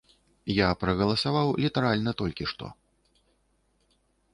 Я прагаласаваў літаральна толькі што.